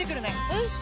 うん！